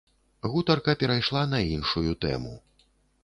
Гутарка перайшла на іншую тэму.